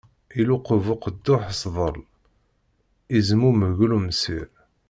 Iluqeb uqedduḥ sḍel, izmummeg ulemsir.